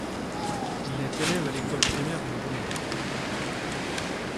Il est élève à l'école primaire de Romans.